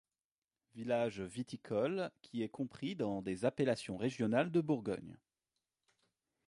Village viticole, qui est compris dans des appellations régionales de Bourgogne.